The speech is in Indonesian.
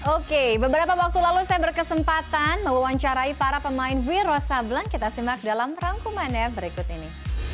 oke beberapa waktu lalu saya berkesempatan mewawancarai para pemain wiro sableng kita simak dalam rangkumannya berikut ini